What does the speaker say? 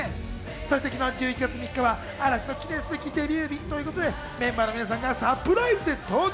そして昨日１１月３日は嵐の記念すべきデビュー日ということでメンバーの皆さんがサプライズで登場！